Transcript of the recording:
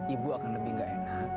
ibu akan lebih gak enak